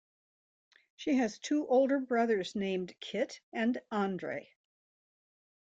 She has two older brothers named Kit and Andre.